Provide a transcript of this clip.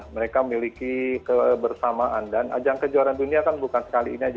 mereka memiliki kebersamaan dan ajang kejuaraan dunia bukan sekali ini saja